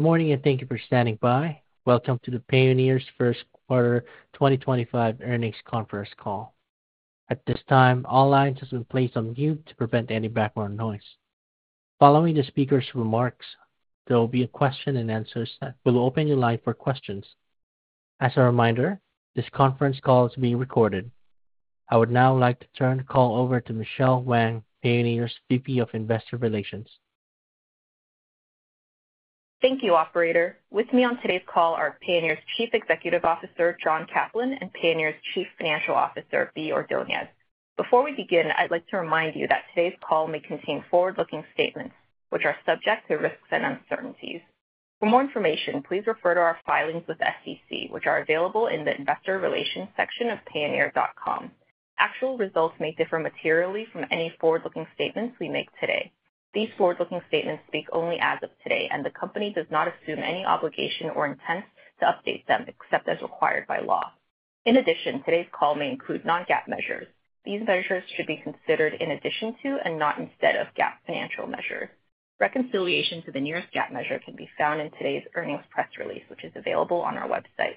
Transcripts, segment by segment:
Good morning and thank you for standing by. Welcometo the Payoneer's firstequarter 2025 Earnings Conference Call. At this time, all lines have been placed on mute to prevent any background noise. Following the speaker's remarks, there will be a question and answer session. We'll open the line for questions. As a reminder, this conference call is being recorded. I would now like to turn the call over to Michelle Wang, Payoneer's VP of Investor Relations. Thank you, Operator. With me on today's call are Payoneer's Chief Executive Officer, John Caplan, and Payoneer's Chief Financial Officer, Bea Ordonez. Before we begin, I'd like to remind you that today's call may contain forward-looking statements, which are subject to risks and uncertainties. For more information, please refer to our filings with the SEC, which are available in the Investor Relations section of payoneer.com. Actual results may differ materially from any forward-looking statements we make today. These forward-looking statements speak only as of today, and the company does not assume any obligation or intent to update them except as required by law. In addition, today's call may include non-GAAP measures. These measures should be considered in addition to and not instead of GAAP financial measures. Reconciliation to the nearest GAAP measure can be found in today's earnings press release, which is available on our website.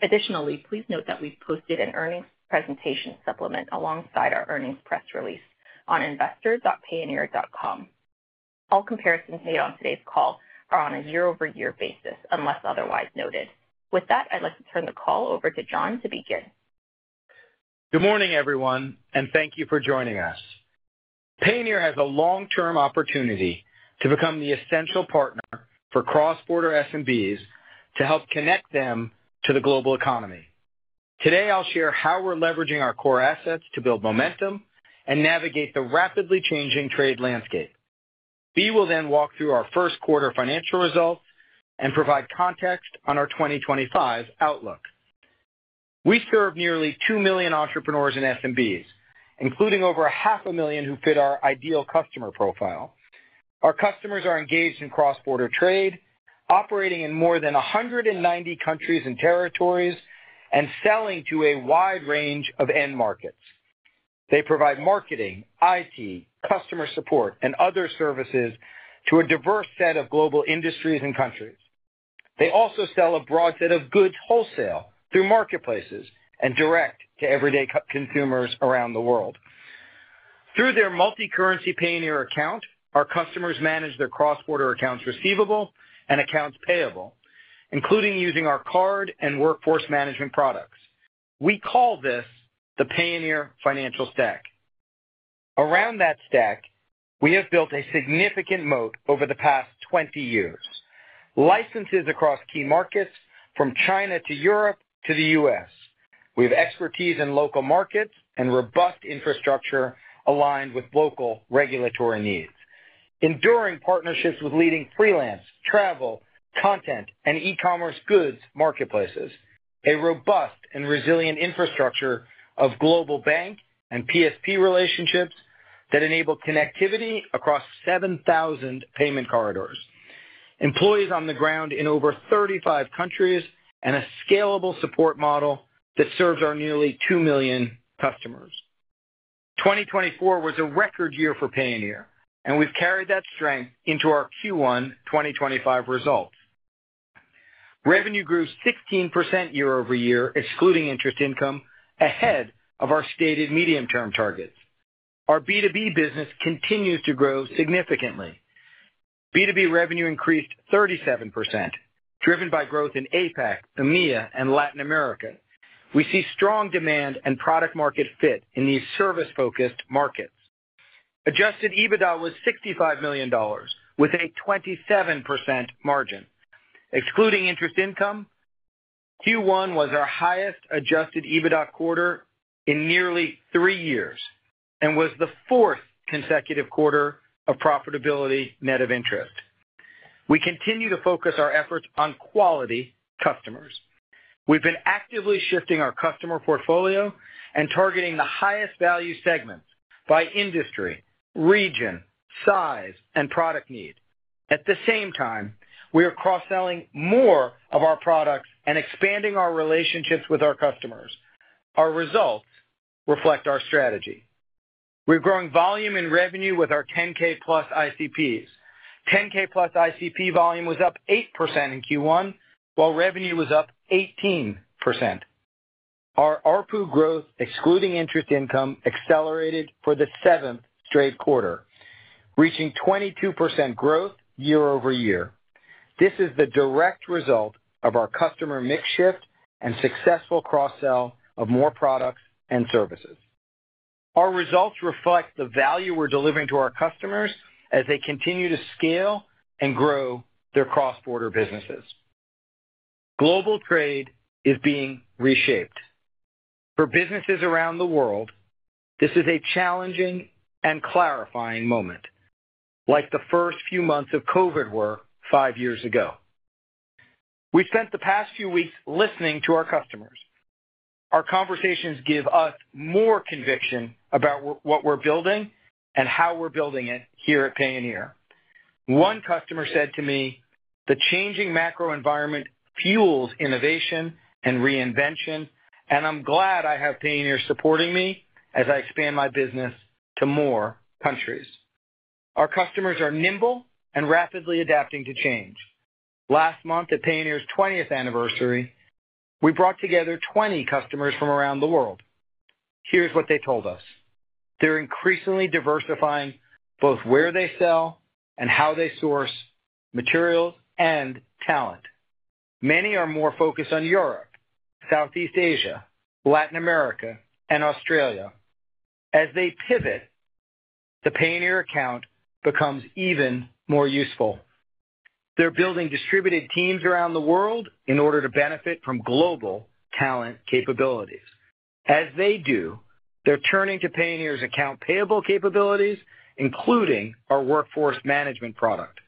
Additionally, please note that we've posted an earnings presentation supplement alongside our earnings press release on investor.payoneer.com. All comparisons made on today's call are on a year-over-year basis, unless otherwise noted. With that, I'd like to turn the call over to John to begin. Good morning, everyone, and thank you for joining us. Payoneer has a long-term opportunity to become the essential partner for cross-border SMBs to help connect them to the global economy. Today, I'll share how we're leveraging our core assets to build momentum and navigate the rapidly changing trade landscape. Bea will then walk through our first quarter financial results and provide context on our 2025 outlook. We serve nearly two million entrepreneurs and SMBs, including over 500,000 who fit our ideal customer profile. Our customers are engaged in cross-border trade, operating in more than 190 countries and territories, and selling to a wide range of end markets. They provide marketing, IT, customer support, and other services to a diverse set of global industries and countries. They also sell a broad set of goods wholesale through marketplaces and direct to everyday consumers around the world. Through their multi-currency Payoneer account, our customers manage their cross-border accounts receivable and accounts payable, including using our card and workforce management products. We call this the Payoneer Financial Stack. Around that stack, we have built a significant moat over the past 20 years: licenses across key markets from China to Europe to the U.S. We have expertise in local markets and robust infrastructure aligned with local regulatory needs. Enduring partnerships with leading freelance, travel, content, and e-commerce goods marketplaces. A robust and resilient infrastructure of global bank and PSP relationships that enable connectivity across 7,000 payment corridors. Employees on the ground in over 35 countries and a scalable support model that serves our nearly two million customers. 2024 was a record year for Payoneer, and we've carried that strength into our Q1 2025 results. Revenue grew 16% year-over-year, excluding interest income, ahead of our stated medium-term targets. Our B2B business continues to grow significantly. B2B revenue increased 37%, driven by growth in APAC, EMEA, and Latin America. We see strong demand and product-market fit in these service-focused markets. Adjusted EBITDA was $65 million, with a 27% margin. Excluding interest income, Q1 was our highest adjusted EBITDA quarter in nearly three years and was the fourth consecutive quarter of profitability net of interest. We continue to focus our efforts on quality customers. We've been actively shifting our customer portfolio and targeting the highest value segments by industry, region, size, and product need. At the same time, we are cross-selling more of our products and expanding our relationships with our customers. Our results reflect our strategy. We're growing volume and revenue with our 10K-plus ICPs. 10K-plus ICP volume was up 8% in Q1, while revenue was up 18%. Our ARPU growth, excluding interest income, accelerated for the seventh straight quarter, reaching 22% growth year-over-year. This is the direct result of our customer mix shift and successful cross-sell of more products and services. Our results reflect the value we're delivering to our customers as they continue to scale and grow their cross-border businesses. Global trade is being reshaped. For businesses around the world, this is a challenging and clarifying moment, like the first few months of COVID were five years ago. We spent the past few weeks listening to our customers. Our conversations give us more conviction about what we're building and how we're building it here at Payoneer. One customer said to me, "The changing macro environment fuels innovation and reinvention, and I'm glad I have Payoneer supporting me as I expand my business to more countries." Our customers are nimble and rapidly adapting to change. Last month, at Payoneer's 20th anniversary, we brought together 20 customers from around the world. Here's what they told us: They're increasingly diversifying both where they sell and how they source materials and talent. Many are more focused on Europe, Southeast Asia, Latin America, and Australia. As they pivot, the Payoneer account becomes even more useful. They're building distributed teams around the world in order to benefit from global talent capabilities. As they do, they're turning to Payoneer's account payable capabilities, including our workforce management product.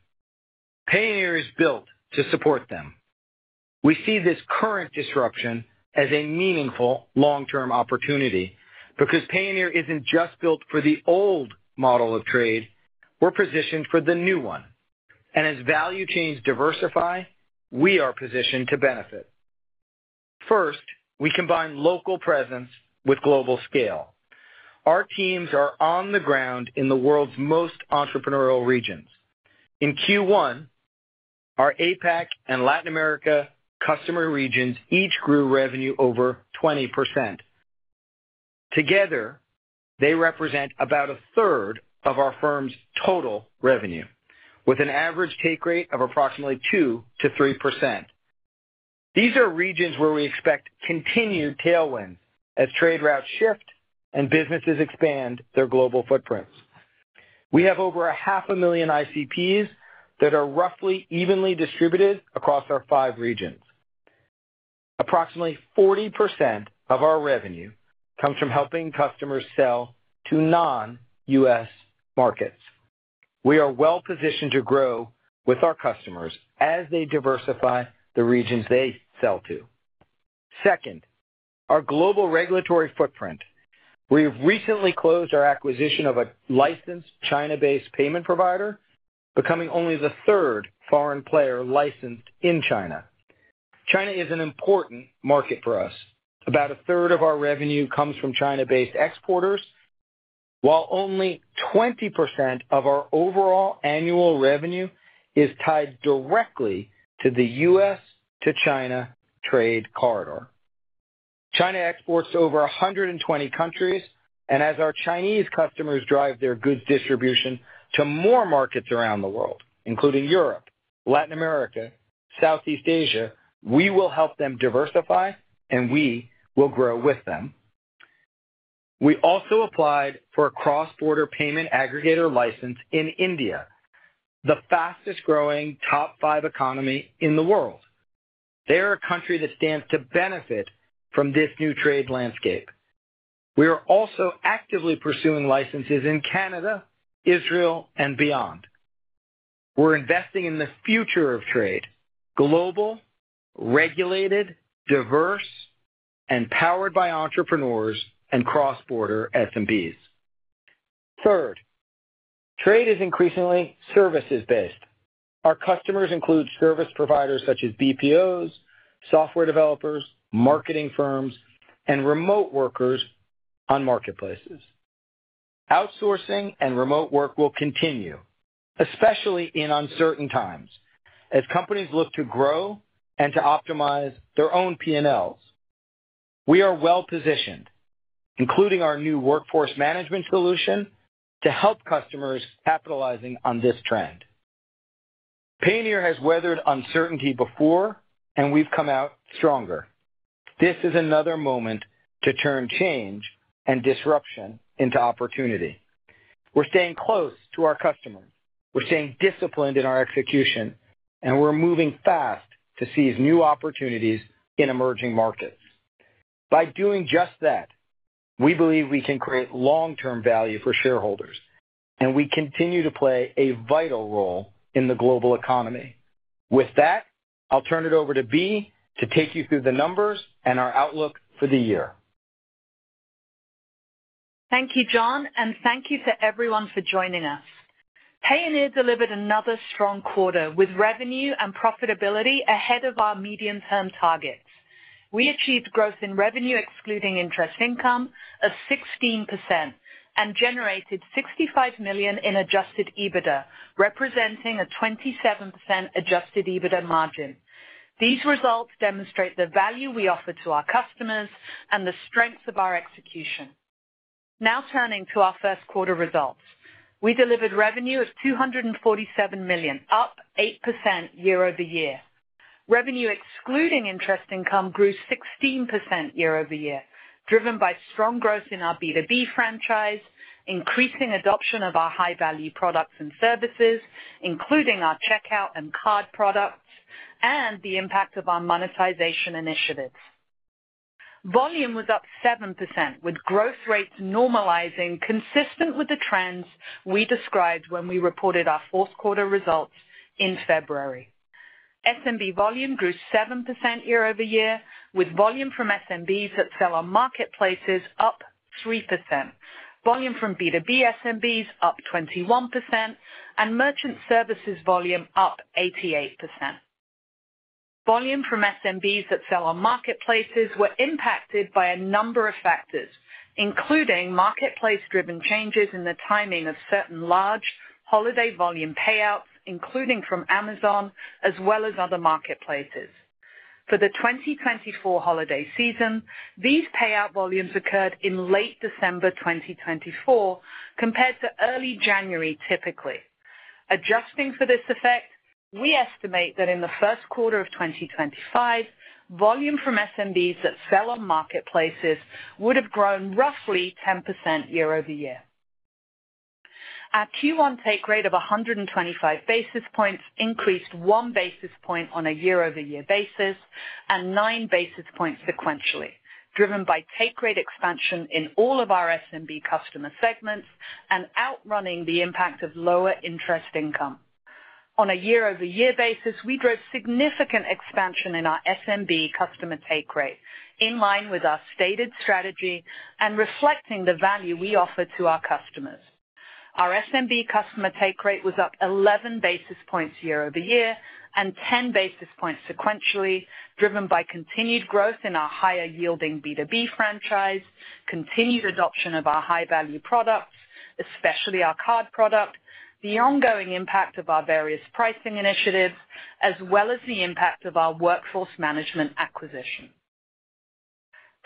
Payoneer is built to support them. We see this current disruption as a meaningful long-term opportunity because Payoneer isn't just built for the old model of trade. We're positioned for the new one. As value chains diversify, we are positioned to benefit. First, we combine local presence with global scale. Our teams are on the ground in the world's most entrepreneurial regions. In Q1, our APAC and Latin America customer regions each grew revenue over 20%. Together, they represent about a third of our firm's total revenue, with an average take rate of approximately 2-3%. These are regions where we expect continued tailwinds as trade routes shift and businesses expand their global footprints. We have over 500,000 ICPs that are roughly evenly distributed across our five regions. Approximately 40% of our revenue comes from helping customers sell to non-U.S. markets. We are well positioned to grow with our customers as they diversify the regions they sell to. Second, our global regulatory footprint. We have recently closed our acquisition of a licensed China-based payment provider, becoming only the third foreign player licensed in China. China is an important market for us. About a third of our revenue comes from China-based exporters, while only 20% of our overall annual revenue is tied directly to the U.S. to China trade corridor. China exports to over 120 countries, and as our Chinese customers drive their goods distribution to more markets around the world, including Europe, Latin America, and Southeast Asia, we will help them diversify, and we will grow with them. We also applied for a cross-border payment aggregator license in India, the fastest-growing top five economy in the world. They are a country that stands to benefit from this new trade landscape. We are also actively pursuing licenses in Canada, Israel, and beyond. We're investing in the future of trade: global, regulated, diverse, and powered by entrepreneurs and cross-border SMBs. Third, trade is increasingly services-based. Our customers include service providers such as BPOs, software developers, marketing firms, and remote workers on marketplaces. Outsourcing and remote work will continue, especially in uncertain times, as companies look to grow and to optimize their own P&Ls. We are well positioned, including our new workforce management solution, to help customers capitalizing on this trend. Payoneer has weathered uncertainty before, and we've come out stronger. This is another moment to turn change and disruption into opportunity. We're staying close to our customers. We're staying disciplined in our execution, and we're moving fast to seize new opportunities in emerging markets. By doing just that, we believe we can create long-term value for shareholders, and we continue to play a vital role in the global economy. With that, I'll turn it over to Bea to take you through the numbers and our outlook for the year. Thank you, John, and thank you to everyone for joining us. Payoneer delivered another strong quarter with revenue and profitability ahead of our medium-term targets. We achieved growth in revenue, excluding interest income, of 16% and generated $65 million in adjusted EBITDA, representing a 27% adjusted EBITDA margin. These results demonstrate the value we offer to our customers and the strength of our execution. Now turning to our first quarter results, we delivered revenue of $247 million, up 8% year-over-year. Revenue excluding interest income grew 16% year-over-year, driven by strong growth in our B2B franchise, increasing adoption of our high-value products and services, including our checkout and card products, and the impact of our monetization initiatives. Volume was up 7%, with growth rates normalizing, consistent with the trends we described when we reported our fourth quarter results in February. SMB volume grew 7% year-over-year, with volume from SMBs that sell on marketplaces up 3%, volume from B2B SMBs up 21%, and merchant services volume up 88%. Volume from SMBs that sell on marketplaces were impacted by a number of factors, including marketplace-driven changes in the timing of certain large holiday volume payouts, including from Amazon as well as other marketplaces. For the 2024 holiday season, these payout volumes occurred in late December 2024 compared to early January typically. Adjusting for this effect, we estimate that in the first quarter of 2025, volume from SMBs that sell on marketplaces would have grown roughly 10% year-over-year. Our Q1 take rate of 125 basis points increased one basis point on a year-over-year basis and nine basis points sequentially, driven by take rate expansion in all of our SMB customer segments and outrunning the impact of lower interest income. On a year-over-year basis, we drove significant expansion in our SMB customer take rate, in line with our stated strategy and reflecting the value we offer to our customers. Our SMB customer take rate was up 11 basis points year-over-year and 10 basis points sequentially, driven by continued growth in our higher-yielding B2B franchise, continued adoption of our high-value products, especially our card product, the ongoing impact of our various pricing initiatives, as well as the impact of our workforce management acquisition.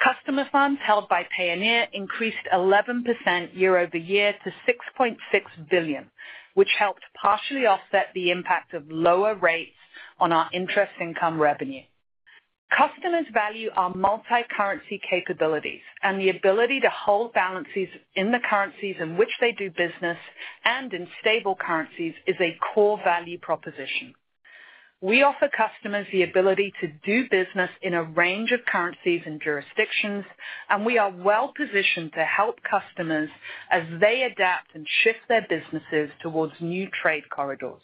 Customer funds held by Payoneer increased 11% year-over-year to $6.6 billion, which helped partially offset the impact of lower rates on our interest income revenue. Customers value our multi-currency capabilities, and the ability to hold balances in the currencies in which they do business and in stable currencies is a core value proposition. We offer customers the ability to do business in a range of currencies and jurisdictions, and we are well positioned to help customers as they adapt and shift their businesses towards new trade corridors.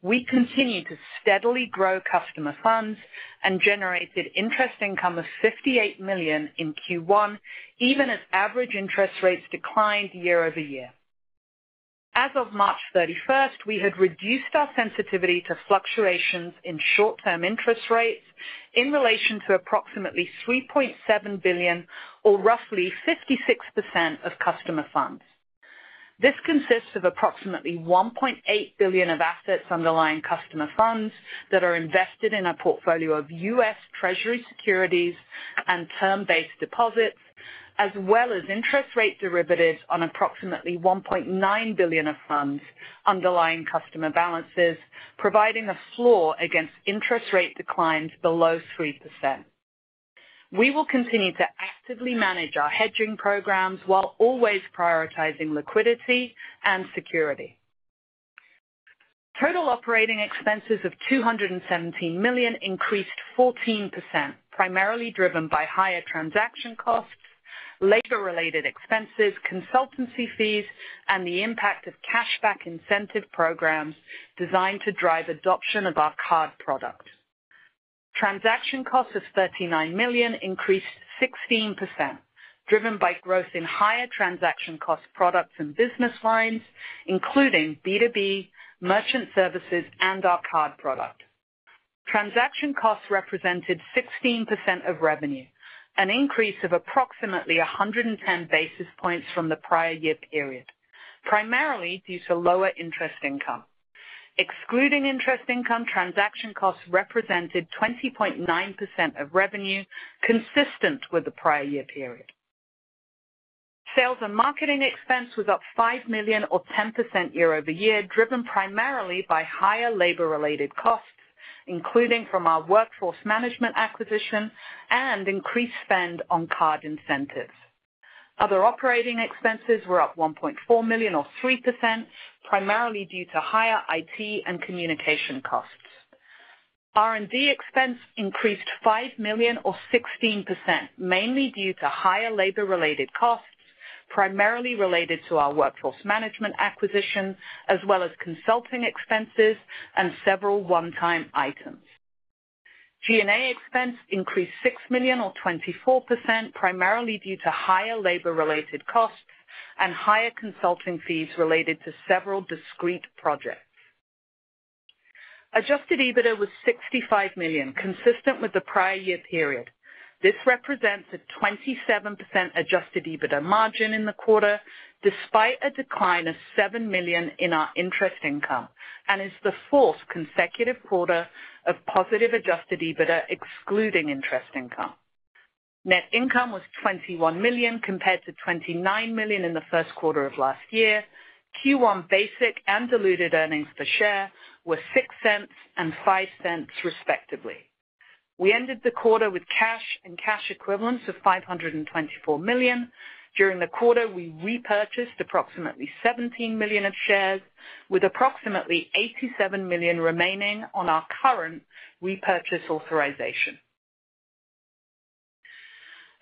We continue to steadily grow customer funds and generated interest income of $58 million in Q1, even as average interest rates declined year-over-year. As of March 31, we had reduced our sensitivity to fluctuations in short-term interest rates in relation to approximately $3.7 billion, or roughly 56% of customer funds. This consists of approximately $1.8 billion of assets underlying customer funds that are invested in a portfolio of U.S. Treasury securities and term-based deposits, as well as interest rate derivatives on approximately $1.9 billion of funds underlying customer balances, providing a floor against interest rate declines below 3%. We will continue to actively manage our hedging programs while always prioritizing liquidity and security. Total operating expenses of $217 million increased 14%, primarily driven by higher transaction costs, labor-related expenses, consultancy fees, and the impact of cashback incentive programs designed to drive adoption of our card product. Transaction costs of $39 million increased 16%, driven by growth in higher transaction cost products and business lines, including B2B, merchant services, and our card product. Transaction costs represented 16% of revenue, an increase of approximately 110 basis points from the prior year period, primarily due to lower interest income. Excluding interest income, transaction costs represented 20.9% of revenue, consistent with the prior year period. Sales and marketing expense was up $5 million, or 10% year-over-year, driven primarily by higher labor-related costs, including from our workforce management acquisition and increased spend on card incentives. Other operating expenses were up $1.4 million, or 3%, primarily due to higher IT and communication costs. R&D expense increased $5 million, or 16%, mainly due to higher labor-related costs, primarily related to our workforce management acquisition, as well as consulting expenses and several one-time items. G&A expense increased $6 million, or 24%, primarily due to higher labor-related costs and higher consulting fees related to several discrete projects. Adjusted EBITDA was $65 million, consistent with the prior year period. This represents a 27% adjusted EBITDA margin in the quarter, despite a decline of $7 million in our interest income, and is the fourth consecutive quarter of positive adjusted EBITDA, excluding interest income. Net income was $21 million compared to $29 million in the first quarter of last year. Q1 basic and diluted earnings per share were $0.06 and $0.05, respectively. We ended the quarter with cash and cash equivalents of $524 million. During the quarter, we repurchased approximately $17 million of shares, with approximately $87 million remaining on our current repurchase authorization.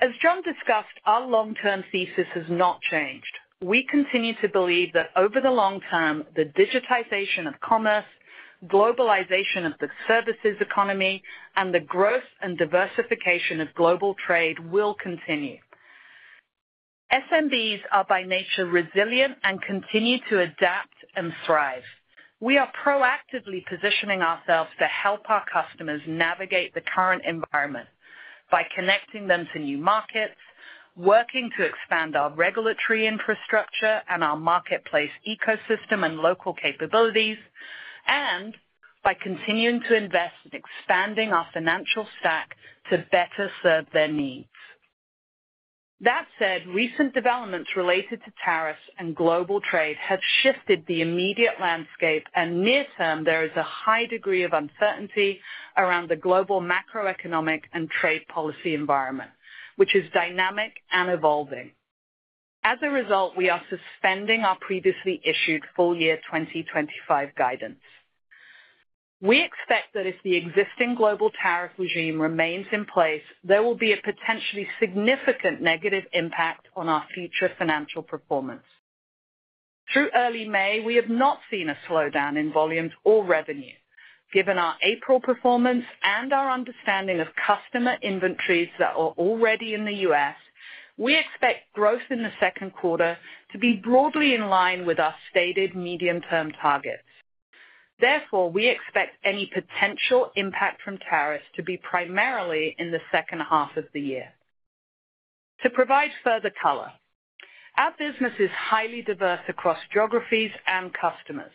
As John discussed, our long-term thesis has not changed. We continue to believe that over the long term, the digitization of commerce, globalization of the services economy, and the growth and diversification of global trade will continue. SMBs are by nature resilient and continue to adapt and thrive. We are proactively positioning ourselves to help our customers navigate the current environment by connecting them to new markets, working to expand our regulatory infrastructure and our marketplace ecosystem and local capabilities, and by continuing to invest in expanding our financial stack to better serve their needs. That said, recent developments related to tariffs and global trade have shifted the immediate landscape, and near-term, there is a high degree of uncertainty around the global macroeconomic and trade policy environment, which is dynamic and evolving. As a result, we are suspending our previously issued full year 2025 guidance. We expect that if the existing global tariff regime remains in place, there will be a potentially significant negative impact on our future financial performance. Through early May, we have not seen a slowdown in volumes or revenue. Given our April performance and our understanding of customer inventories that are already in the U.S., we expect growth in the second quarter to be broadly in line with our stated medium-term targets. Therefore, we expect any potential impact from tariffs to be primarily in the second half of the year. To provide further color, our business is highly diverse across geographies and customers.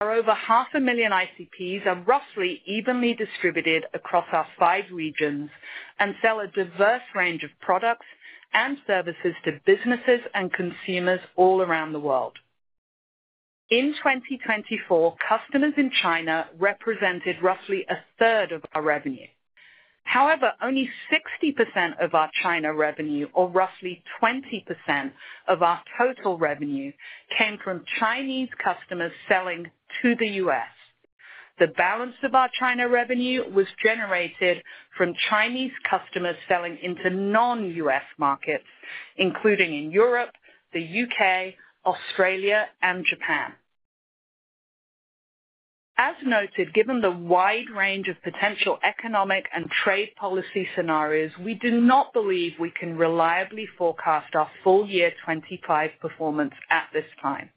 Our over 500,000 ICPs are roughly evenly distributed across our five regions and sell a diverse range of products and services to businesses and consumers all around the world. In 2024, customers in China represented roughly one third of our revenue. However, only 60% of our China revenue, or roughly 20% of our total revenue, came from Chinese customers selling to the U.S. The balance of our China revenue was generated from Chinese customers selling into non-U.S. markets, including in Europe, the U.K., Australia, and Japan. As noted, given the wide range of potential economic and trade policy scenarios, we do not believe we can reliably forecast our full year 2025 performance at this time.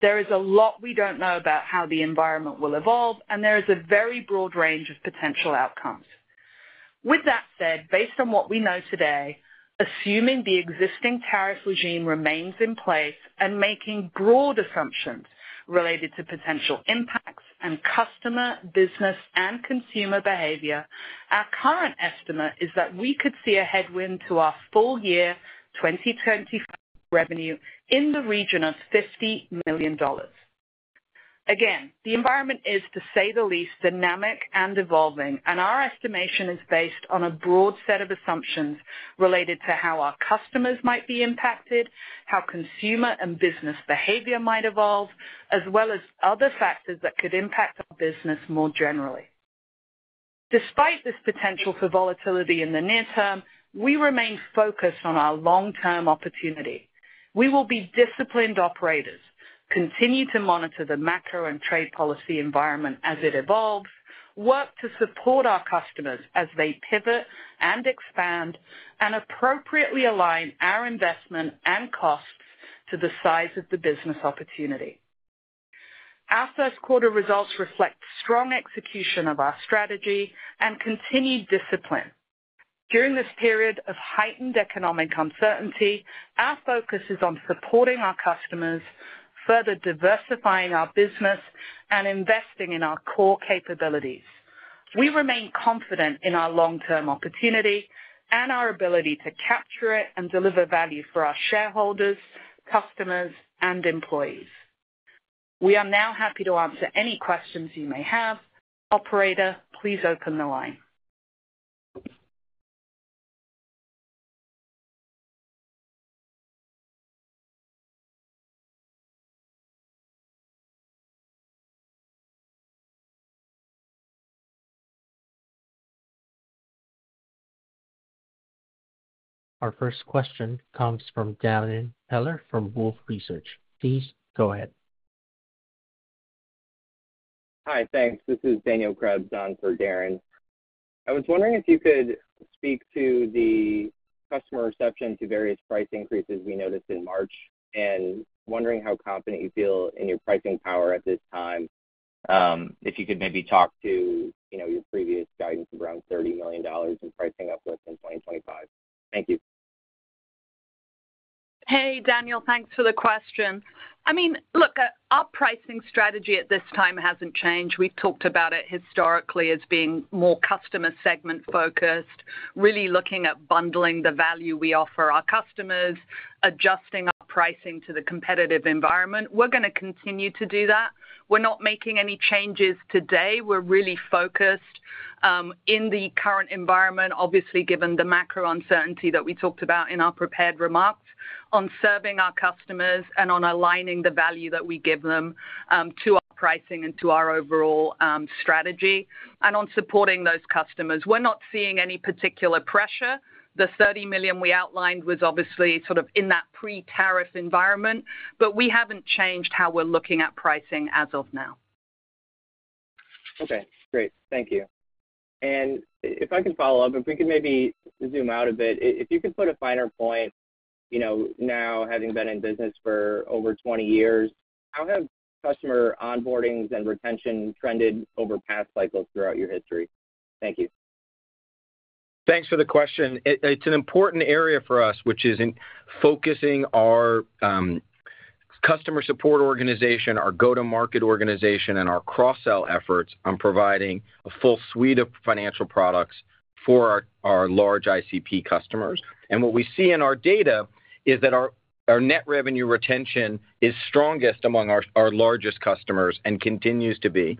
There is a lot we do not know about how the environment will evolve, and there is a very broad range of potential outcomes. With that said, based on what we know today, assuming the existing tariff regime remains in place and making broad assumptions related to potential impacts and customer, business, and consumer behavior, our current estimate is that we could see a headwind to our full year 2025 revenue in the region of $50 million. Again, the environment is, to say the least, dynamic and evolving, and our estimation is based on a broad set of assumptions related to how our customers might be impacted, how consumer and business behavior might evolve, as well as other factors that could impact our business more generally. Despite this potential for volatility in the near term, we remain focused on our long-term opportunity. We will be disciplined operators, continue to monitor the macro and trade policy environment as it evolves, work to support our customers as they pivot and expand, and appropriately align our investment and costs to the size of the business opportunity. Our first quarter results reflect strong execution of our strategy and continued discipline. During this period of heightened economic uncertainty, our focus is on supporting our customers, further diversifying our business, and investing in our core capabilities. We remain confident in our long-term opportunity and our ability to capture it and deliver value for our shareholders, customers, and employees. We are now happy to answer any questions you may have. Operator, please open the line. Our first question comes from Darren Peller from Wolfe Research. Please go ahead. Hi thanks. This is Daniel Crabzon for Darren. I was wondering if you could speak to the customer reception to various price increases we noticed in March and wondering how confident you feel in your pricing power at this time, if you could maybe talk to your previous guidance around $30 million in pricing uplift in 2025. Thank you. Hey, Daniel, thanks for the question. I mean, look, our pricing strategy at this time hasn't changed. We've talked about it historically as being more customer segment focused, really looking at bundling the value we offer our customers, adjusting our pricing to the competitive environment. We're going to continue to do that. We're not making any changes today. We're really focused in the current environment, obviously given the macro uncertainty that we talked about in our prepared remarks, on serving our customers and on aligning the value that we give them to our pricing and to our overall strategy, and on supporting those customers. We're not seeing any particular pressure. The $30 million we outlined was obviously sort of in that pre-tariff environment, but we haven't changed how we're looking at pricing as of now. Okay, great. Thank you. If I can follow up, if we could maybe zoom out a bit, if you could put a finer point, now having been in business for over 20 years, how have customer onboardings and retention trended over past cycles throughout your history? Thank you. Thanks for the question. It's an important area for us, which is in focusing our customer support organization, our go-to-market organization, and our cross-sell efforts on providing a full suite of financial products for our large ICP customers. What we see in our data is that our net revenue retention is strongest among our largest customers and continues to be.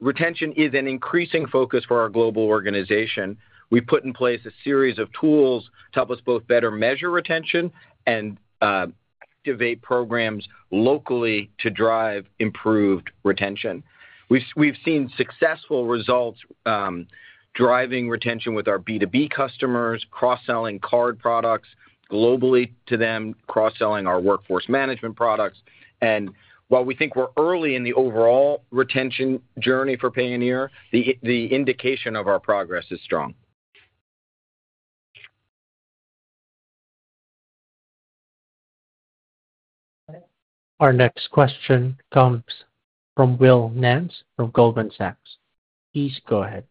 Retention is an increasing focus for our global organization. We put in place a series of tools to help us both better measure retention and activate programs locally to drive improved retention. We've seen successful results driving retention with our B2B customers, cross-selling card products globally to them, cross-selling our workforce management products. While we think we're early in the overall retention journey for Payoneer, the indication of our progress is strong. Our next question comes from Will Nance from Goldman Sachs. Please go ahead.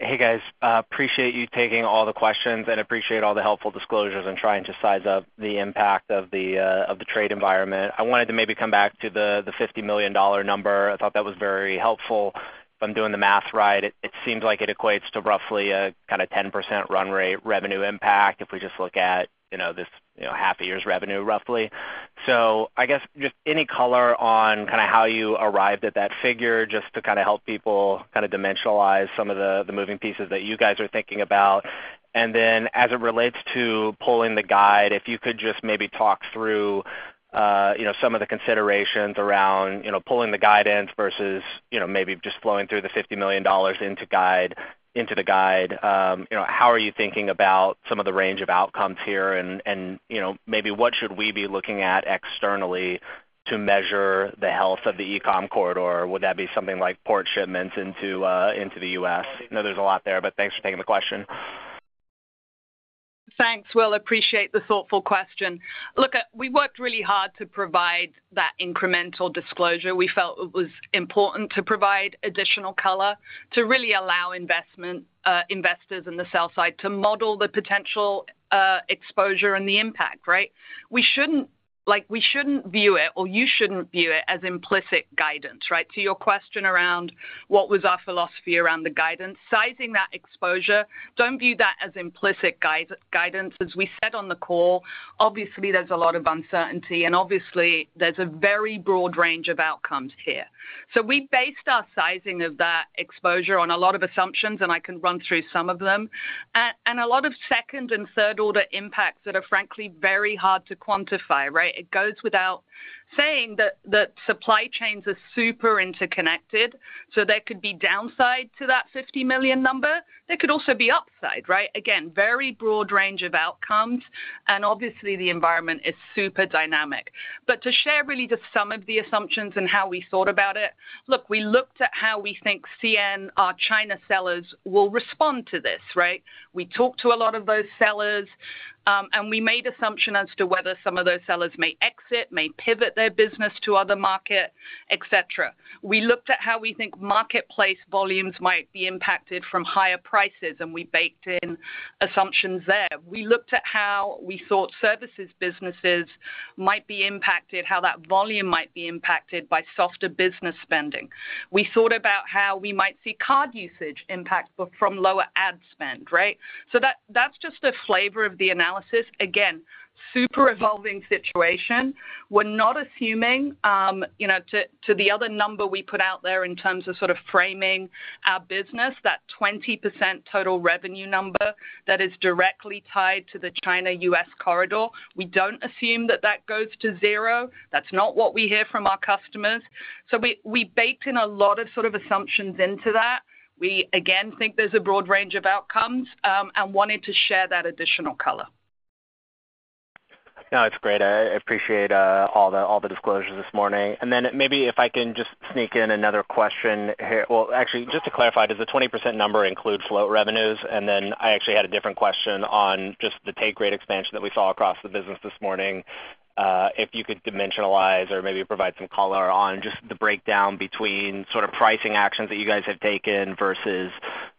Hey guys. Appreciate you taking all the questions and appreciate all the helpful disclosures and trying to size up the impact of the trade environment. I wanted to maybe come back to the $50 million number. I thought that was very helpful. If I'm doing the math right, it seems like it equates to roughly a kind of 10% run rate revenue impact if we just look at this half a year's revenue, roughly. I guess just any color on kind of how you arrived at that figure just to kind of help people kind of dimensionalize some of the moving pieces that you guys are thinking about. As it relates to pulling the guide, if you could just maybe talk through some of the considerations around pulling the guidance versus maybe just flowing through the $50 million into the guide, how are you thinking about some of the range of outcomes here? What should we be looking at externally to measure the health of the E-comm Corridor? Would that be something like port shipments into the U.S.? I know there's a lot there, but thanks for taking the question. Thanks, Will. Appreciate the thoughtful question. Look, we worked really hard to provide that incremental disclosure. We felt it was important to provide additional color to really allow investors on the sell side to model the potential exposure and the impact, right? We shouldn't view it, or you shouldn't view it as implicit guidance, right? To your question around what was our philosophy around the guidance, sizing that exposure, do not view that as implicit guidance. As we said on the call, obviously there is a lot of uncertainty, and obviously there is a very broad range of outcomes here. We based our sizing of that exposure on a lot of assumptions, and I can run through some of them, and a lot of second and third order impacts that are, frankly, very hard to quantify, right? It goes without saying that supply chains are super interconnected, so there could be downside to that $50 million number. There could also be upside, right? Again, very broad range of outcomes, and obviously the environment is super dynamic. To share really just some of the assumptions and how we thought about it, look, we looked at how we think CN, our China sellers, will respond to this, right? We talked to a lot of those sellers, and we made assumptions as to whether some of those sellers may exit, may pivot their business to other markets, etc. We looked at how we think marketplace volumes might be impacted from higher prices, and we baked in assumptions there. We looked at how we thought services businesses might be impacted, how that volume might be impacted by softer business spending. We thought about how we might see card usage impact from lower ad spend, right? That is just a flavor of the analysis. Again, super evolving situation. We are not assuming, to the other number we put out there in terms of sort of framing our business, that 20% total revenue number that is directly tied to the China-U.S. corridor. We do not assume that that goes to zero. That is not what we hear from our customers. We baked in a lot of sort of assumptions into that. We, again, think there's a broad range of outcomes and wanted to share that additional color. No, it's great. I appreciate all the disclosures this morning. Maybe if I can just sneak in another question here. Actually, just to clarify, does the 20% number include float revenues? I actually had a different question on just the take rate expansion that we saw across the business this morning. If you could dimensionalize or maybe provide some color on just the breakdown between sort of pricing actions that you guys have taken versus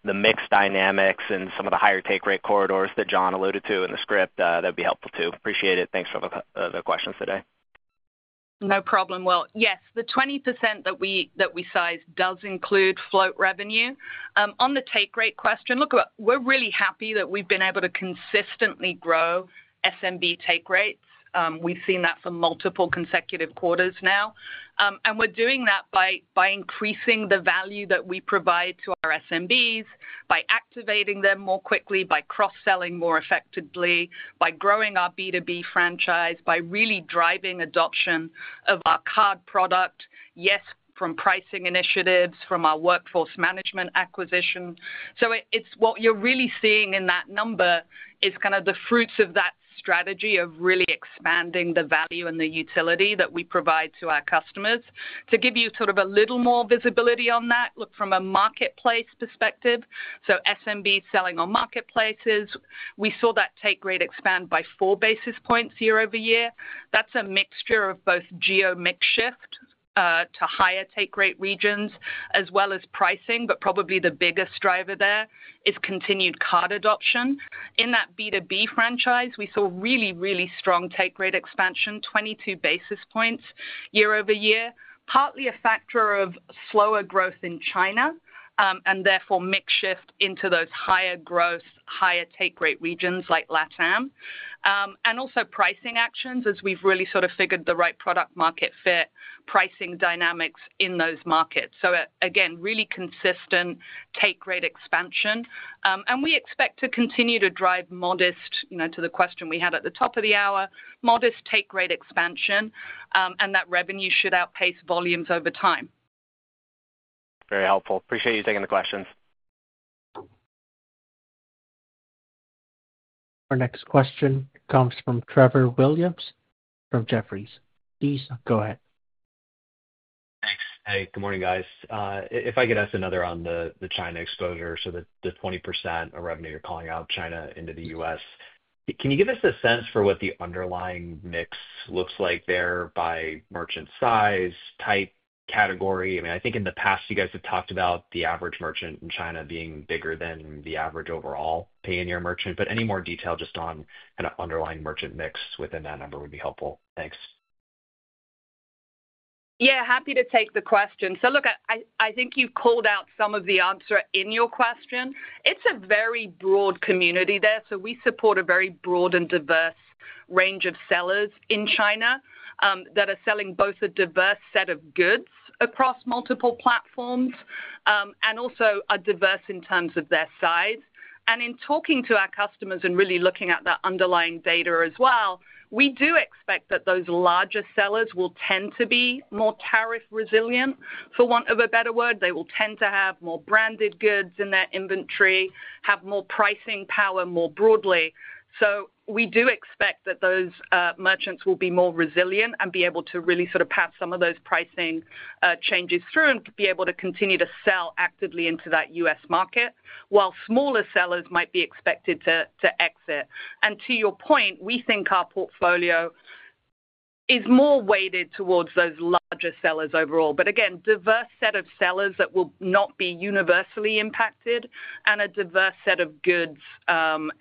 the mixed dynamics and some of the higher take rate corridors that John alluded to in the script, that would be helpful too. Appreciate it. Thanks for the questions today. No problem, Will. Yes, the 20% that we sized does include float revenue. On the take rate question, look, we're really happy that we've been able to consistently grow SMB take rates. We've seen that for multiple consecutive quarters now. We're doing that by increasing the value that we provide to our SMBs, by activating them more quickly, by cross-selling more effectively, by growing our B2B franchise, by really driving adoption of our card product, yes, from pricing initiatives, from our workforce management acquisition. What you're really seeing in that number is kind of the fruits of that strategy of really expanding the value and the utility that we provide to our customers. To give you sort of a little more visibility on that, look, from a marketplace perspective, so SMBs selling on marketplaces, we saw that take rate expand by four basis points year over year. That's a mixture of both geo mix shift to higher take rate regions, as well as pricing, but probably the biggest driver there is continued card adoption. In that B2B franchise, we saw really, really strong take rate expansion, 22 basis points year over year, partly a factor of slower growth in China, and therefore mix shift into those higher growth, higher take rate regions like Latin America. And also pricing actions as we've really sort of figured the right product market fit, pricing dynamics in those markets. Again, really consistent take rate expansion. We expect to continue to drive modest, to the question we had at the top of the hour, modest take rate expansion, and that revenue should outpace volumes over time. Very helpful. Appreciate you taking the questions. Our next question comes from Trevor Williams from Jefferies. Please go ahead. Thanks. Hey, good morning, guys. If I could ask another on the China exposure, the 20% of revenue you're calling out China into the U.S., can you give us a sense for what the underlying mix looks like there by merchant size, type, category? I mean, I think in the past you guys have talked about the average merchant in China being bigger than the average overall Payoneer merchant, but any more detail just on kind of underlying merchant mix within that number would be helpful. Thanks. Yeah, happy to take the question. I think you've called out some of the answer in your question. It's a very broad community there, so we support a very broad and diverse range of sellers in China that are selling both a diverse set of goods across multiple platforms and also are diverse in terms of their size. In talking to our customers and really looking at that underlying data as well, we do expect that those larger sellers will tend to be more tariff resilient, for want of a better word. They will tend to have more branded goods in their inventory, have more pricing power more broadly. We do expect that those merchants will be more resilient and be able to really sort of pass some of those pricing changes through and be able to continue to sell actively into that U.S. market, while smaller sellers might be expected to exit. To your point, we think our portfolio is more weighted towards those larger sellers overall, but again, a diverse set of sellers that will not be universally impacted and a diverse set of goods and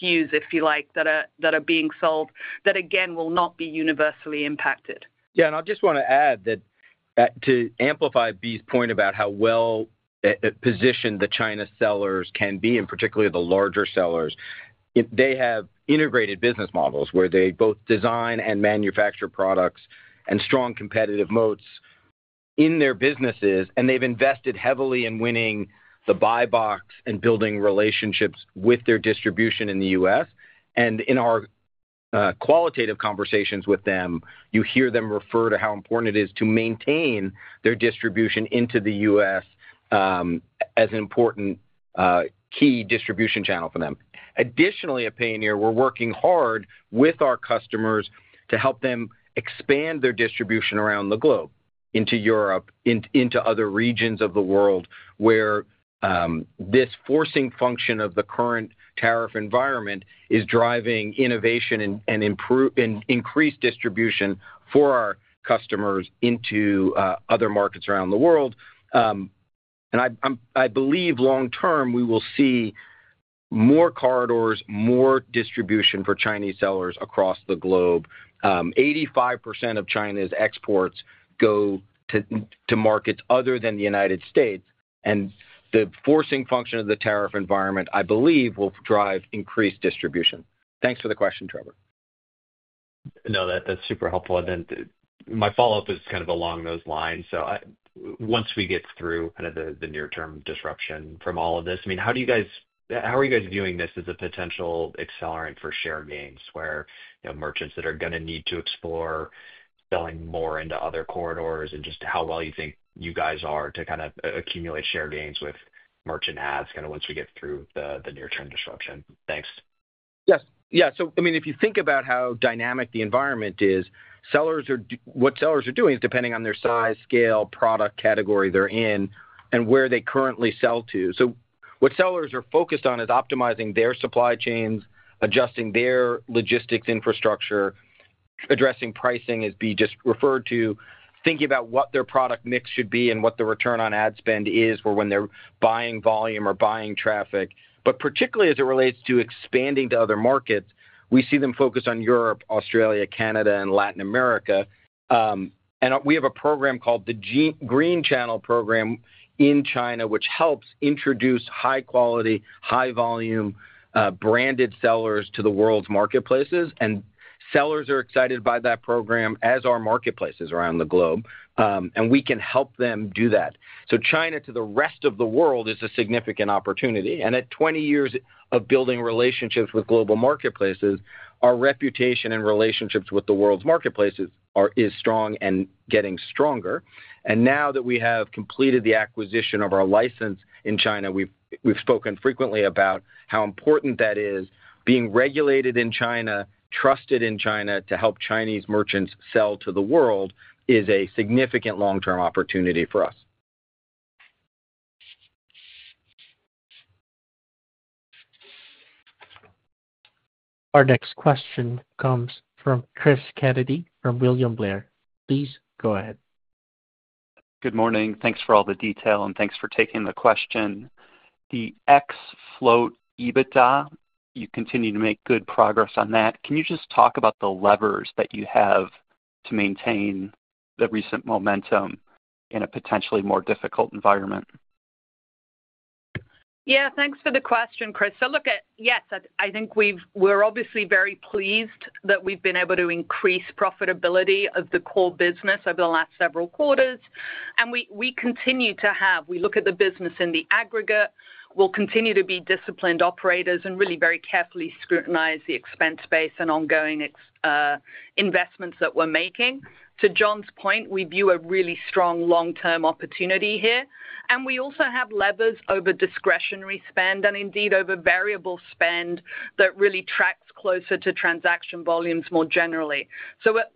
SKUs, if you like, that are being sold that, again, will not be universally impacted. Yeah, and I just want to add that to amplify Bea's point about how well positioned the China sellers can be, and particularly the larger sellers, they have integrated business models where they both design and manufacture products and strong competitive moats in their businesses, and they've invested heavily in winning the buy box and building relationships with their distribution in the U.S. In our qualitative conversations with them, you hear them refer to how important it is to maintain their distribution into the U.S. as an important key distribution channel for them. Additionally, at Payoneer, we're working hard with our customers to help them expand their distribution around the globe into Europe, into other regions of the world where this forcing function of the current tariff environment is driving innovation and increased distribution for our customers into other markets around the world. I believe long-term we will see more corridors, more distribution for Chinese sellers across the globe. 85% of China's exports go to markets other than the U.S., and the forcing function of the tariff environment, I believe, will drive increased distribution. Thanks for the question, Trevor. No, that's super helpful. My follow-up is kind of along those lines. Once we get through the near-term disruption from all of this, I mean, how are you guys viewing this as a potential accelerant for share gains where merchants that are going to need to explore selling more into other corridors and just how well you think you guys are to kind of accumulate share gains with merchant ads once we get through the near-term disruption? Thanks. Yes. Yeah. I mean, if you think about how dynamic the environment is, what sellers are doing is depending on their size, scale, product category they're in, and where they currently sell to. What sellers are focused on is optimizing their supply chains, adjusting their logistics infrastructure, addressing pricing as Bea just referred to, thinking about what their product mix should be and what the return on ad spend is for when they're buying volume or buying traffic. Particularly as it relates to expanding to other markets, we see them focus on Europe, Australia, Canada, and Latin America. We have a program called the Green Channel Program in China, which helps introduce high-quality, high-volume branded sellers to the world's marketplaces. Sellers are excited by that program as are marketplaces around the globe, and we can help them do that. China to the rest of the world is a significant opportunity. At 20 years of building relationships with global marketplaces, our reputation and relationships with the world's marketplaces is strong and getting stronger. Now that we have completed the acquisition of our license in China, we've spoken frequently about how important that is. Being regulated in China, trusted in China to help Chinese merchants sell to the world is a significant long-term opportunity for us. Our next question comes from Chris Caddity from William Blair. Please go ahead. Goodmorning. Thanks for all the detail, and thanks for taking the question. The ex-float EBITDA, you continue to make good progress on that. Can you just talk about the levers that you have to maintain the recent momentum in a potentially more difficult environment? Yeah, thanks for the question, Chris. Yes, I think we're obviously very pleased that we've been able to increase profitability of the core business over the last several quarters. We continue to have, we look at the business in the aggregate. We'll continue to be disciplined operators and really very carefully scrutinize the expense base and ongoing investments that we're making. To John's point, we view a really strong long-term opportunity here. We also have levers over discretionary spend and indeed over variable spend that really tracks closer to transaction volumes more generally.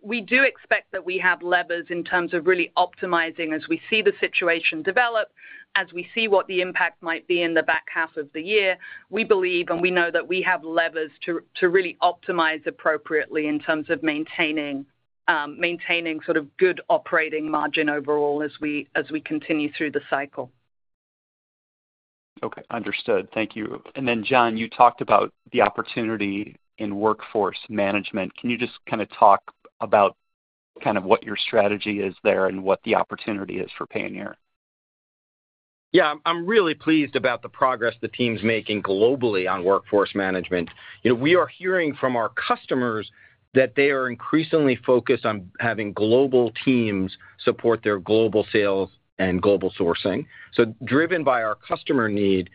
We do expect that we have levers in terms of really optimizing as we see the situation develop, as we see what the impact might be in the back half of the year. We believe and we know that we have levers to really optimize appropriately in terms of maintaining sort of good operating margin overall as we continue through the cycle. Okay. Understood. Thank you. And then John, you talked about the opportunity in workforce management. Can you just kind of talk about kind of what your strategy is there and what the opportunity is for Payoneer? Yeah, I'm really pleased about the progress the team's making globally on workforce management. We are hearing from our customers that they are increasingly focused on having global teams support their global sales and global sourcing. Driven by our customer need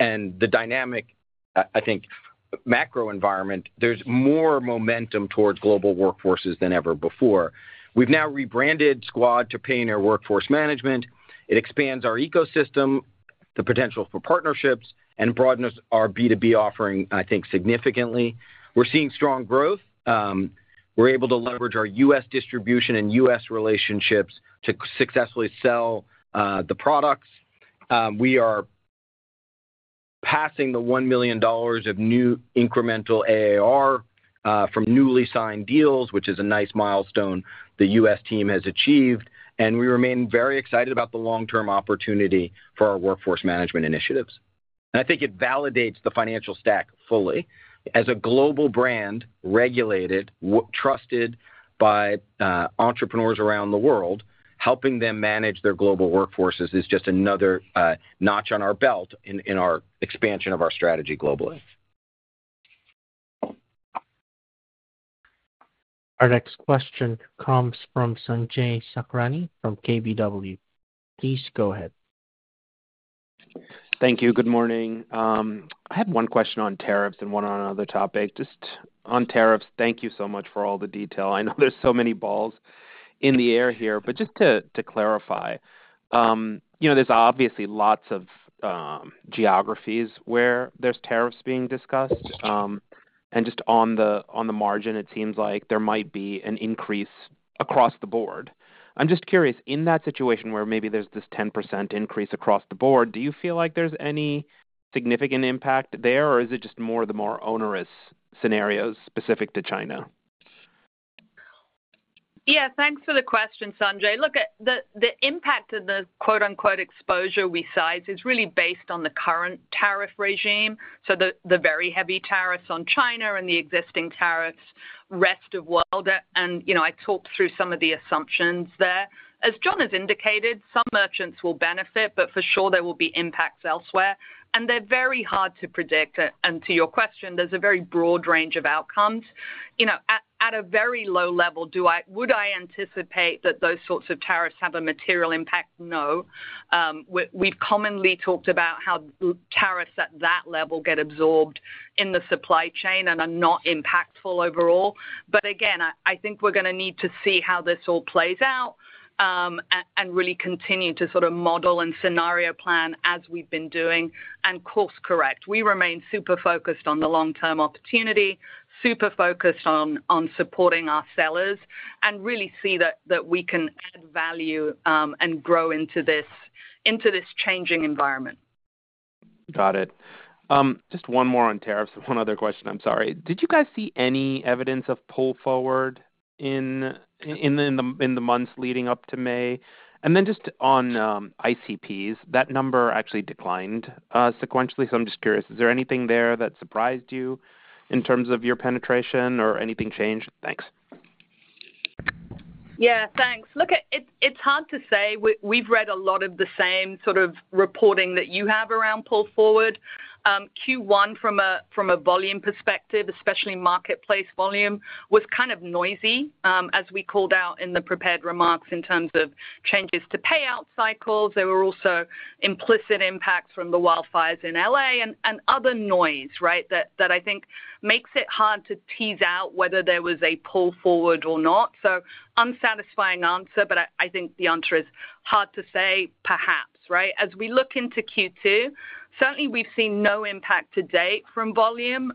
and the dynamic, I think, macro environment, there's more momentum towards global workforces than ever before. We've now rebranded Squad to Payoneer Workforce Management. It expands our ecosystem, the potential for partnerships, and broadens our B2B offering, I think, significantly. We're seeing strong growth. We're able to leverage our U.S. distribution and U.S. relationships to successfully sell the products. We are passing the $1 million of new incremental AAR from newly signed deals, which is a nice milestone the U.S. team has achieved. We remain very excited about the long-term opportunity for our workforce management initiatives. I think it validates the financial stack fully. As a global brand, regulated, trusted by entrepreneurs around the world, helping them manage their global workforces is just another notch on our belt in our expansion of our strategy globally. Our next question comes from Sanjay Sakhrani from KBW. Please go ahead. Thank you. Good morning. I have one question on tariffs and one on another topic. Just on tariffs, thank you so much for all the detail. I know there's so many balls in the air here, but just to clarify, there's obviously lots of geographies where there's tariffs being discussed. Just on the margin, it seems like there might be an increase across the board. I'm just curious, in that situation where maybe there's this 10% increase across the board, do you feel like there's any significant impact there, or is it just more the more onerous scenarios specific to China? Yeah, thanks for the question, Sanjay. Look, the impact of the "exposure" we size is really based on the current tariff regime, so the very heavy tariffs on China and the existing tariffs rest of world. I talked through some of the assumptions there. As John has indicated, some merchants will benefit, but for sure there will be impacts elsewhere. They're very hard to predict. To your question, there is a very broad range of outcomes. At a very low level, would I anticipate that those sorts of tariffs have a material impact? No. We have commonly talked about how tariffs at that level get absorbed in the supply chain and are not impactful overall. I think we are going to need to see how this all plays out and really continue to sort of model and scenario plan as we have been doing and course correct. We remain super focused on the long-term opportunity, super focused on supporting our sellers, and really see that we can add value and grow into this changing environment. Got it. Just one more on tariffs. One other question, I am sorry. Did you guys see any evidence of pull forward in the months leading up to May? And then just on ICPs, that number actually declined sequentially. I'm just curious, is there anything there that surprised you in terms of your penetration or anything changed? Thanks. Yeah, thanks. Look, it's hard to say. We've read a lot of the same sort of reporting that you have around pull forward. Q1, from a volume perspective, especially marketplace volume, was kind of noisy, as we called out in the prepared remarks in terms of changes to payout cycles. There were also implicit impacts from the wildfires in L.A. and other noise, right, that I think makes it hard to tease out whether there was a pull forward or not. Unsatisfying answer, but I think the answer is hard to say, perhaps, right? As we look into Q2, certainly we've seen no impact to date from volume.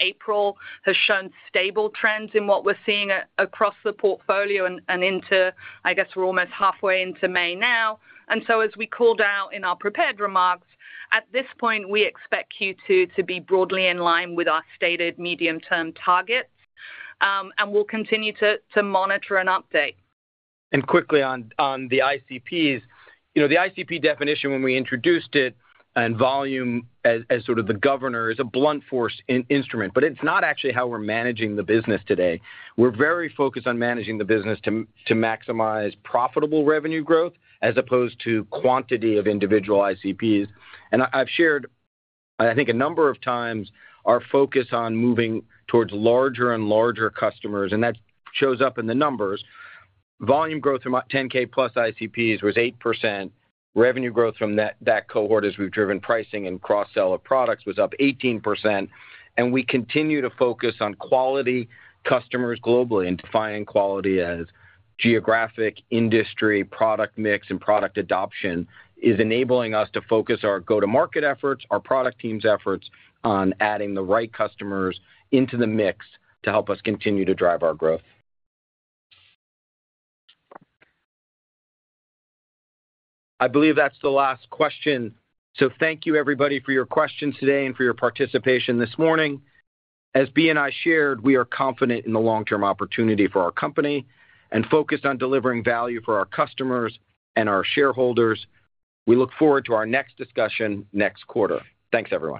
April has shown stable trends in what we're seeing across the portfolio and into, I guess we're almost halfway into May now. As we called out in our prepared remarks, at this point, we expect Q2 to be broadly in line with our stated medium-term targets. We'll continue to monitor and update. Quickly on the ICPs, the ICP definition when we introduced it and volume as sort of the governor is a blunt force instrument, but it's not actually how we're managing the business today. We're very focused on managing the business to maximize profitable revenue growth as opposed to quantity of individual ICPs. I've shared, I think, a number of times our focus on moving towards larger and larger customers, and that shows up in the numbers. Volume growth from 10K plus ICPs was 8%. Revenue growth from that cohort, as we've driven pricing and cross-seller products, was up 18%. We continue to focus on quality customers globally and defining quality as geographic, industry, product mix, and product adoption is enabling us to focus our go-to-market efforts, our product teams' efforts on adding the right customers into the mix to help us continue to drive our growth. I believe that's the last question. Thank you, everybody, for your questions today and for your participation this morning. As Bea and I shared, we are confident in the long-term opportunity for our company and focused on delivering value for our customers and our shareholders. We look forward to our next discussion next quarter. Thanks everyone.